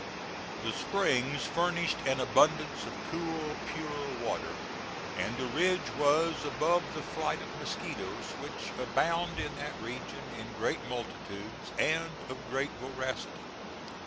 The springs furnished an abundance of cool, pure water, and the ridge was above the flight of mosquitoes, which abound in that region in great multitudes and of great voracity.